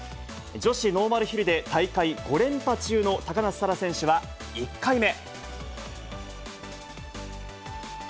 女子ノーマルヒルで、大会５連覇中の高梨沙羅選手は、１回目。